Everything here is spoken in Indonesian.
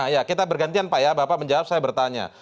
ya kita bergantian pak ya bapak menjawab saya bertanya